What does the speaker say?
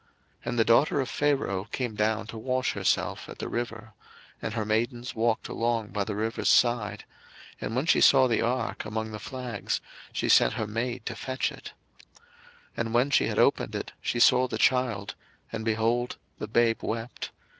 02:002:005 And the daughter of Pharaoh came down to wash herself at the river; and her maidens walked along by the river's side; and when she saw the ark among the flags, she sent her maid to fetch it. 02:002:006 And when she had opened it, she saw the child: and, behold, the babe wept.